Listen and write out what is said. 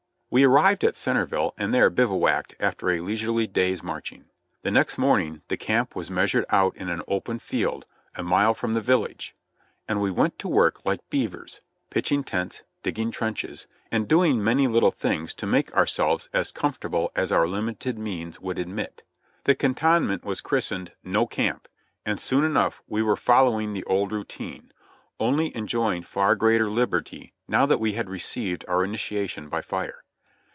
We arrived at Centerville and there bivouacked after a leisurely day's marching. The next morning the camp was measured out in an open field a mile from the village, and we went to work like beavers, pitching tents, digging trenches, and doing many little things to make ourselves as comfortable as our limited means would admit. The cantonment was christened "No Camp," and soon enough we were following the old routine, only enjoying far greater lib erty now that we had received our initiation by fire.